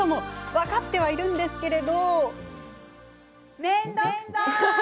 分かってはいるんですけど。